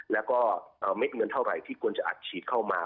เท่าอะไรที่คุณจะอัดฉีดเข้ามา